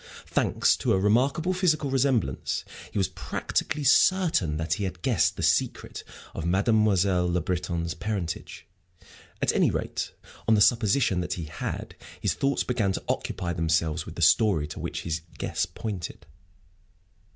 Thanks to a remarkable physical resemblance, he was practically certain that he had guessed the secret of Mademoiselle Le Breton's parentage. At any rate, on the supposition that he had, his thoughts began to occupy themselves with the story to which his guess pointed.